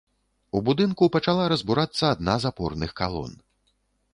У будынку пачала разбурацца адна з апорных калон.